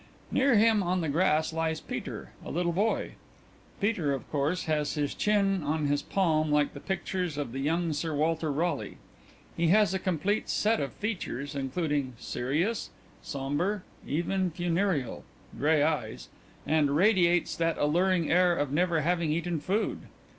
_ Near him on the grass lies PETER, a little boy. PETER, _of course, has his chin on his palm like the pictures of the young Sir Walter Raleigh. He has a complete set of features, including serious, sombre, even funereal, gray eyes and radiates that alluring air of never having eaten food.